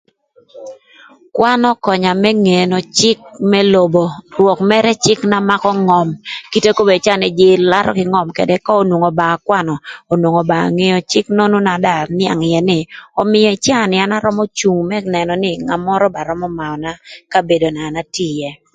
Kwan ökönya më ngeo cïk më lobo rwök mërë cïk na makö ngöm kite kobedini ï caa ni jïï larö kï ngöm ködë ka onwongo ba akwanö onwongo ba angeo cïk nonu na dong anïang ïë nï ömïö ï caa ni an arömö cung më nënö nï ngat mörö ba römö maöna kabedo na an atye ïë.